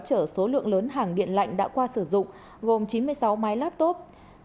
phương tiện có trở số lượng lớn hàng điện lạnh đã qua sử dụng gồm chín mươi sáu máy laptop